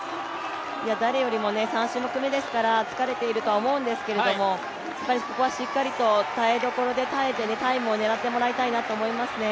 誰よりも３種目めですから、疲れているとは思うんですが、ここはしっかりと耐えどころで耐えて、タイムを狙ってもらいたいなと思いますね。